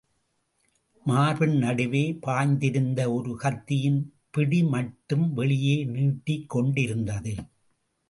மார்பின் நடுவே பாய்ந்திருந்த ஒரு கத்தியின் பிடி மட்டும் வெளியே நீட்டிக் கொண்டிருந்தது.